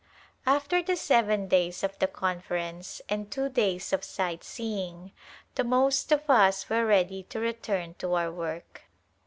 After the seven days of the Conference and two days of sightseeing the most of us were ready to re turn to our work.